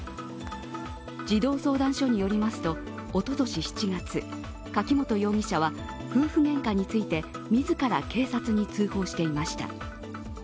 児童相談所によりますとおととし７月、柿本容疑者は夫婦げんかについて自ら警察に通報していました。